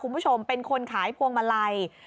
คุณผู้ชมเป็นคนขายพวงมาลัย